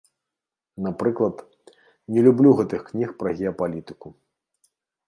Напрыклад, не люблю гэтых кніг пра геапалітыку.